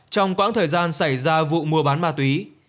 trong quãng thời gian xảy ra vụ mua bán ma túy